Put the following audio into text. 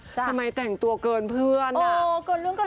ทำไมแต่งตัวเกินเพื่อนอ่ะ